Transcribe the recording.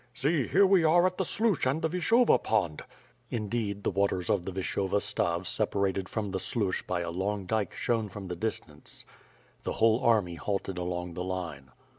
"See, here we are at the Sluch and the Vishova Pond." Indeed the waters of the Vishova Stav separated from the Sluch by a long dike shone from the distance; the whole army halted along the line.